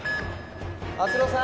篤郎さん？